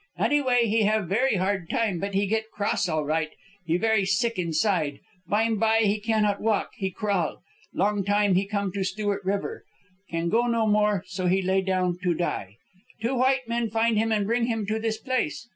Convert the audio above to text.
Anyway, he have very hard time, but he get 'cross all right. He very sick inside. Bime by he cannot walk; he crawl. Long time he come to Stewart River. Can go no more, so he lay down to die. Two white men find him and bring him to this place.